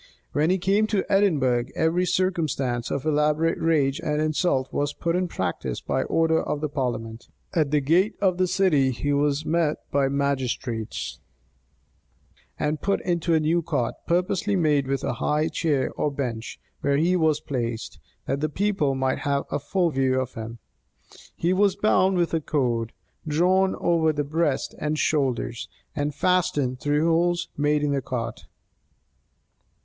When he came to Edinburgh, every circumstance of elaborate rage and insult was put in practice by order of the parliament. At the gate of the city he was met by the magistrates, and put into a new cart, purposely made with a high chair or bench, where he wus placed, that the people might have a full view of him. He was bound with a cord, drawn over his breast and shoulders, and fastened through holes made in the cart.